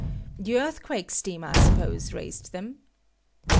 The earthquake steam, I suppose, raised them.